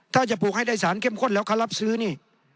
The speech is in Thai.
ถ้าจะปลูกให้ได้สารเข้มข้นแล้วเขารับซื้อนี่